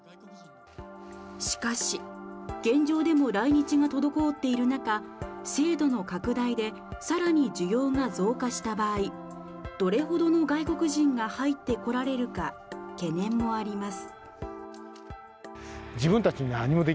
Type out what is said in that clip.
しかし、現状でも来日が滞っている中、制度の拡大で更に需要が増加した場合、どれほどの外国人が入ってこられるか懸念もあります。